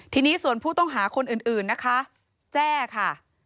ทีนี้ส่วนผู้ต้องหาคนอื่นนะคะแจ้ค่ะ